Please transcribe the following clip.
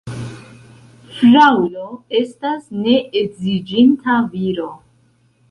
Fraŭlo estas ne edziĝinta viro.